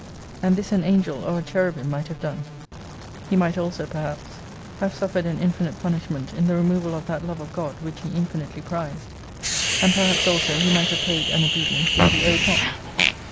And this an Angel or a Cherubim might have done. 103 He might also perhaps have suffered an infinite punishment in the removal of that Love of God which he infinitely prized : and perhaps also he might have paid an obedience which he owed not.